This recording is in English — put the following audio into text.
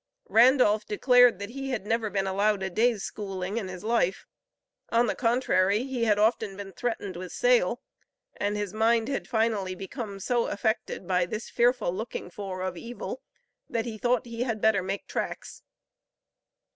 Randolph declared that "he had never been allowed a day's schooling in his life. On the contrary, he had often been threatened with sale, and his mind had finally become so affected by this fearful looking for of evil, that he thought he had better make tracks."